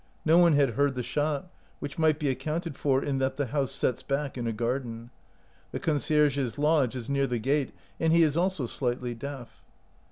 No one had heard the shot,, which might be accounted for in that the house sets back in a garden ; the concierge's lodge is near the gate, and he is also slightly deaf.